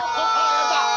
やった！